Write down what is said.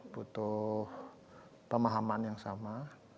butuh pemahaman yang sama